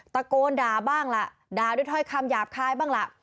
ตะโกนด่าบ้างล่ะด่าด้วยถ้อยคำหยาบคายบ้างล่ะ